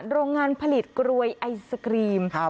โรงงานผลิตกรวยไอศครีม